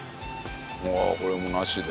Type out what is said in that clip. うわこれもなしで。